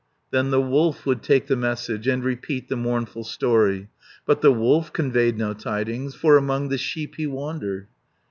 Then the wolf would take the message, And repeat the mournful story; But the wolf conveyed no tidings, For among the sheep he wandered.